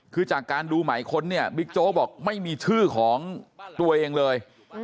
คือจากการดูหมายค้นเนี่ยบิ๊กโจ๊กบอกไม่มีชื่อของตัวเองเลย